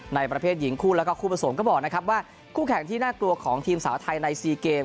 ในประเภทหญิงคู่แล้วก็คู่ผสมก็บอกนะครับว่าคู่แข่งที่น่ากลัวของทีมสาวไทยใน๔เกม